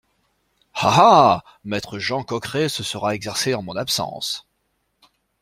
Ah ! ah ! maître Jean Coqueret se sera exercé en mon absence.